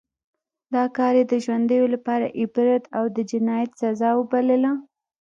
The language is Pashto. دا کار یې د ژوندیو لپاره عبرت او د جنایت سزا وبلله.